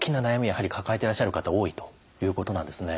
やはり抱えてらっしゃる方多いということなんですね。